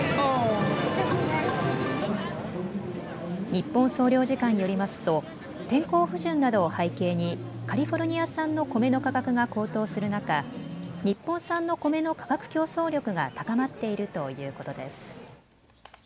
日本総領事館によりますと天候不順などを背景にカリフォルニア産のコメの価格が高騰する中、日本産のコメの価格競争力が高まっているということです。